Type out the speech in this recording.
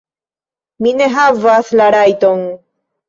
Mi ne havas la rajton?